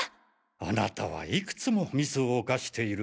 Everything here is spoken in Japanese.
あなたはいくつもミスを犯している。